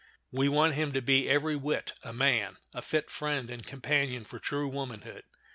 We want him to be every whit a man, a fit friend and companion for true womanhood.